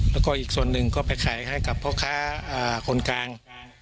แล้วก็อีกส่วนหนึ่งก็ไปขายให้กับพ่อค้าคนกลาง